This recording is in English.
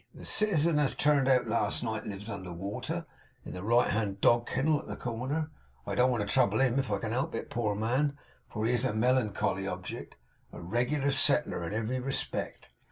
The citizen as turned out last night, lives under water, in the right hand dog kennel at the corner. I don't want to trouble him if I can help it, poor man, for he is a melancholy object; a reg'lar Settler in every respect.